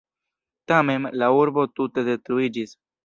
Tamen, la urbo tute detruiĝis.